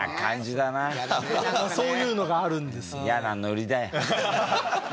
そういうのがあるんです。